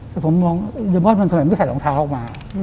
แต่ผมมองเดอร์มอนมันทำไมไม่ใส่รองเท้าออกมา